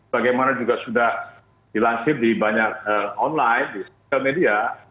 karena juga sudah dilansir di banyak online di sosial media